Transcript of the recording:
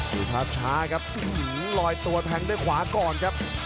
ดูภาพช้าครับลอยตัวแทงด้วยขวาก่อนครับ